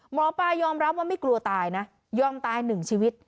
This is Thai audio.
หมอปลายอมรับว่าไม่กลัวตายนะยอมตายหนึ่งชีวิต